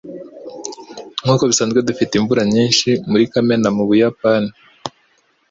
Nkuko bisanzwe dufite imvura nyinshi muri kamena mubuyapani.